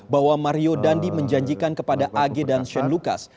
bahwa mario dandi menjanjikan kepada ag dan shane lucas